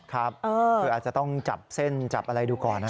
ครับคืออาจจะต้องจับเส้นจับอะไรดูก่อนนะ